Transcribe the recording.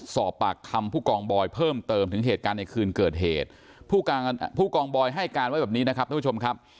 สอบปากคำผู้กองบอยเพิ่มเติมถึงเหตุการณ์ในคืนเกิดเหตุผู้กองบอยให้การไว้แบบนี้นะครับท่านผู้ชมครับ